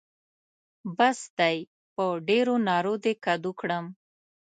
بس دی؛ په ډېرو نارو دې کدو کړم.